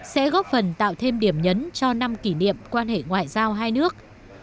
sẽ góp phần tạo thêm điểm nhấn cho năm kỷ niệm quan hệ ngoại giao hai nước